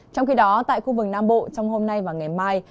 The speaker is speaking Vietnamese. trong khi đó tại khu vực nam bộ trong hôm nay và ngày mai